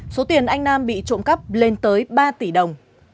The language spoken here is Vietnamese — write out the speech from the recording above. số tiền anh nam bị trộm cắp lên tới ba tỷ đồng